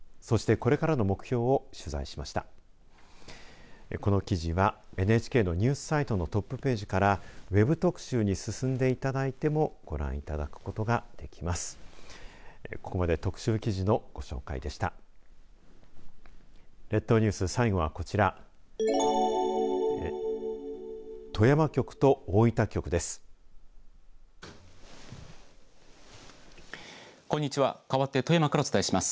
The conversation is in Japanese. この記事はＮＨＫのニュースサイトのトップページからＷＥＢ特集に進んでいただいてもご覧いただくことができます。